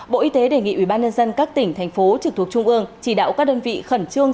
bộ y tế đề nghị ubnd các tỉnh thành phố trực thuộc trung ương chỉ đạo các đơn vị khẩn trương